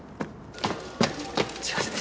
すみません！